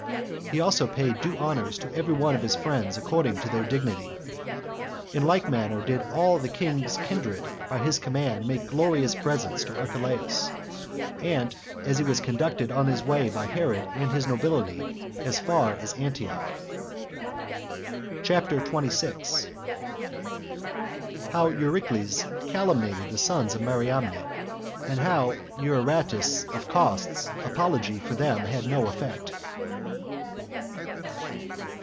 He also paid due honors to every one of his friends according to their dignity. In like manner did all the king's kindred, by his command, make glorious presents to Archelaus; and so he was conducted on his way by Herod and his nobility as far as Antioch. CHAPTER 26. How Eurycles 40 Calumniated The Sons Of Mariamne; And How Euaratus Of Cos's Apology For Them Had No Effect.